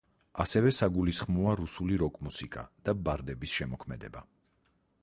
ასევე საგულისხმოა რუსული როკ-მუსიკა და ბარდების შემოქმედება.